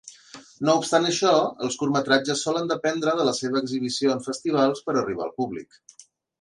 No obstant això, els curtmetratges solen dependre de la seva exhibició en festivals per arribar al públic.